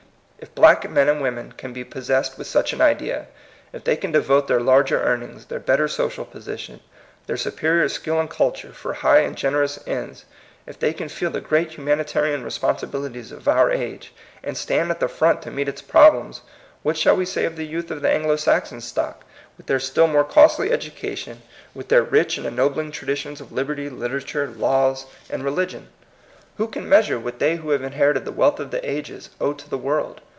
If black men and women can be possessed with such an idea; if they can devote their larger earnings, their better social position, their superior skill and culture, for high and generous ends; if they can feel the great humanitarian responsibilities of our age, and stand at the front to meet its problems, — what shall we say of the youth of the An glo Saxon stock, with their still more costly education, with their rich and ennobling traditions of liberty, literature, laws, and t 126 THE COMING PEOPLE. religion ? Who can measure what they who have inherited the wealth of the ages owe to the world